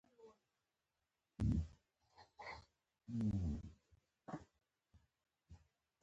صداقت د زړه صفا توب څرګندوي.